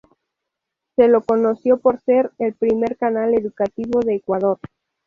Se lo conoció por ser "El primer canal educativo de Ecuador".